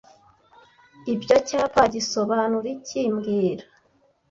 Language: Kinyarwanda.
Ibyo cyapa gisobanura iki mbwira